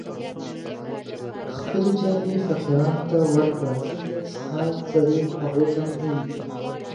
خپلې جامې فقیرانو ته ورکړه، ځکه ستا زړې هغو ته نوې دي